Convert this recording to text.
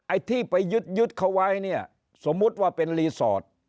ไอ้ที่ไปยึดยึดเขาไว้เนี่ยสมมุติว่าเป็นรีสอร์ท